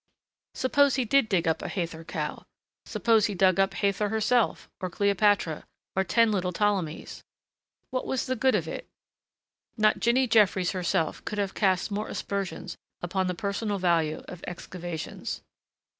Suppose he did dig up a Hathor cow? Suppose he dug up Hathor herself, or Cleopatra, or ten little Ptolemies? What was the good of it? Not Jinny Jeffries herself could have cast more aspersions upon the personal value of excavations.